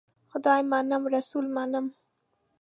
خدای منم ، رسول منم .